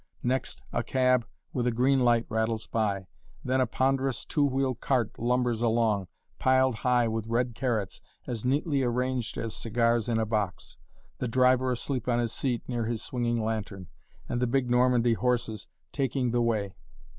Next a cab with a green light rattles by; then a ponderous two wheeled cart lumbers along, piled high with red carrots as neatly arranged as cigars in a box the driver asleep on his seat near his swinging lantern and the big Normandy horses taking the way.